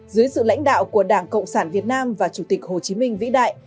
dưới sự lãnh đạo của đảng cộng sản việt nam và chủ tịch hồ chí minh vĩ đại